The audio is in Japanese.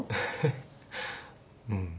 うん。